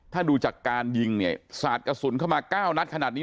ถ้าดูจากการยิงเนี่ยสาดกระสุนเข้ามา๙นัดขนาดนี้